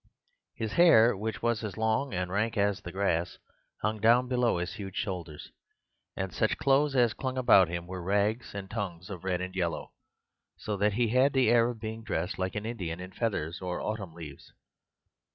His hair, which was as long and rank as the grass, hung down below his huge shoulders; and such clothes as clung about him were rags and tongues of red and yellow, so that he had the air of being dressed like an Indian in feathers or autumn leaves.